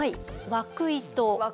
枠糸。